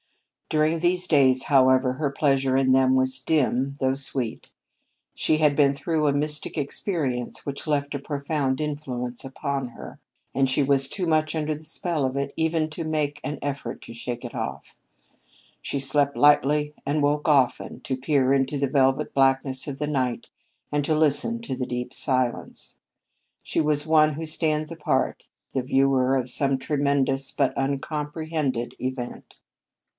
During these days, however, her pleasure in them was dim, though sweet. She had been through a mystic experience which left a profound influence upon her, and she was too much under the spell of it even to make an effort to shake it off. She slept lightly and woke often, to peer into the velvet blackness of the night and to listen to the deep silence. She was as one who stands apart, the viewer of some tremendous but uncomprehended event.